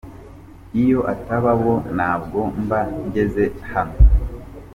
Iyo ataba bo ntabwo mba ngeze hano.